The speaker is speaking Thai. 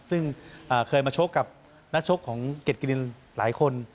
ซึ่งเคยมาชกกับนักชกของเกรดกิรินหลายคน